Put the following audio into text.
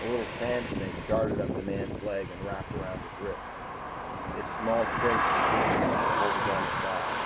A little sandsnake darted up the man's leg and wrapped about his wrist. Its small strength was just enough to pull the gun aside.